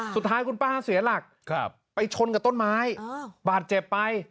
สุดท้ายคุณป้าเสียหลักไปชนกับต้นไม้บาดเจ็บไป